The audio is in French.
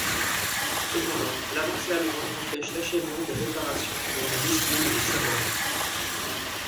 Cependant, l’avancée allemande empêche l’achèvement des réparations et il est décidé de le saborder.